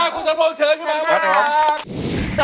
คุณสรพงษ์เชิญขึ้นมาครับ